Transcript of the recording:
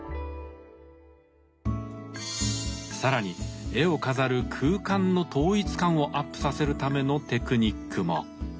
更に絵を飾る空間の統一感をアップさせるためのテクニックも。